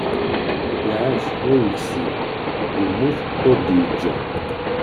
Iεac ur yeksib, yemmut ur d-yeǧǧa.